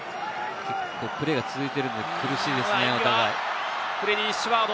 プレーが続いているので苦しいですね、お互い。